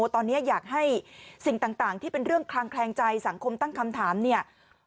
ตอนนี้อยากให้สิ่งต่างที่เป็นเรื่องคลางแคลงใจสังคมตั้งคำถามเนี่ย